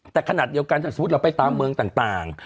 แต่ขนาดเดียวกันถ้าสมมุติเราไปตามเมืองต่าง